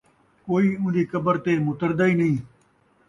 کئی اون٘دی قبر تے مُتردا ءِی نئیں